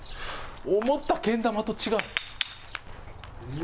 思ったけん玉と違う。